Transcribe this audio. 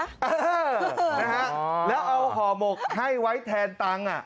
เออนะฮะแล้วเอาห่อหมกให้ไว้แทนตังค์อ่ะ